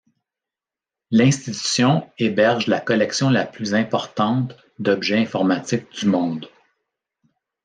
L'institution héberge la collection la plus importante d'objets informatiques du monde.